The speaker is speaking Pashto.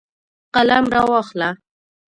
قلم راواخله.